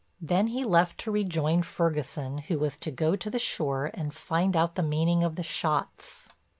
Then he left to rejoin Ferguson who was to go to the shore and find out the meaning of the shots.